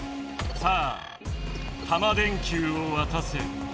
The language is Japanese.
さあタマ電Ｑをわたせ。